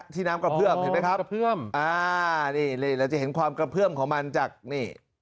น้ำกระเพื่อมเห็นไหมครับกระเพื่อมอ่านี่นี่เราจะเห็นความกระเพื่อมของมันจากนี่